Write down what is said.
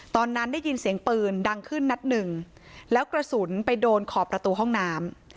ตอนนั้นได้ยินเสียงปืนดังขึ้นนัดหนึ่งแล้วกระสุนไปโดนขอบประตูห้องน้ำ